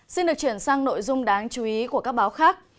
xin được chuyển sang nội dung đáng chú ý của các báo khác